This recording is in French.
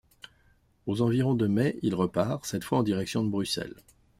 Aux environs de mai, il repart, cette fois en direction de Bruxelles.